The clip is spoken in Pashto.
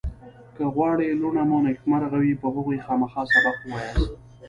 که غواړئ لوڼه مو نېکمرغ وي په هغوی خامخا سبق ووایاست